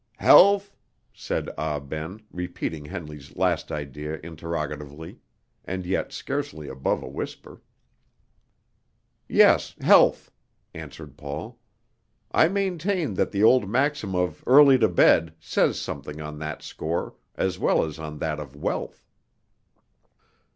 "Health?" said Ah Ben, repeating Henley's last idea interrogatively, and yet scarcely above a whisper. "Yes, health," answered Paul. "I maintain that the old maxim of 'early to bed' says something on that score, as well as on that of wealth."